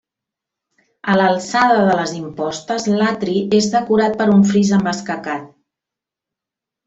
A l'alçada de les impostes, l'atri és decorat per un fris amb escacat.